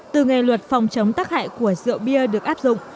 từ nghề luật phòng chống tắc hại của diệu biệt được áp dụng